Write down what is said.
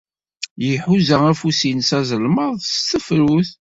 Iḥuza afus-nnes azelmaḍ s tefrut.